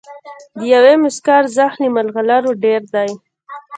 د یوې موسکا ارزښت له مرغلرو ډېر دی.